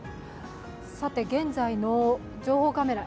現在の情報カメラ